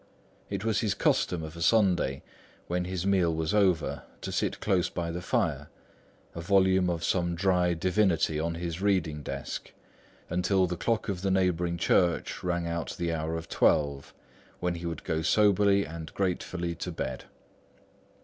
It was his custom of a Sunday, when this meal was over, to sit close by the fire, a volume of some dry divinity on his reading desk, until the clock of the neighbouring church rang out the hour of twelve, when he would go soberly and gratefully to bed.